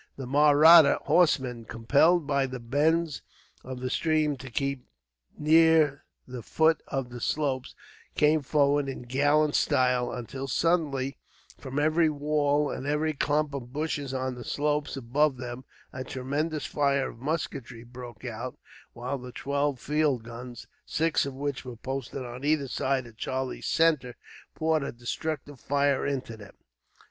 The Mahratta horsemen, compelled by the bends of the stream to keep near the foot of the slopes, came forward in gallant style; until suddenly, from every wall and every clump of bushes on the slopes above them, a tremendous fire of musketry broke out, while the twelve field guns, six of which were posted on either side of Charlie's centre, poured a destructive fire into them.